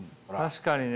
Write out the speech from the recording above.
確かにね。